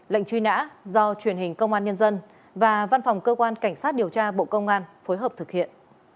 lệnh truy nã do truyền hình công an nhân dân và văn phòng cơ quan cảnh sát điều tra bộ công an phối hợp thực hiện